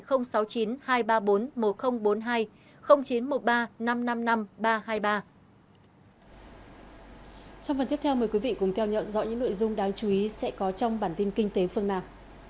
trong phần tiếp theo mời quý vị cùng theo nhận rõ những nội dung đáng chú ý sẽ có trong bản tin kinh tế phương nam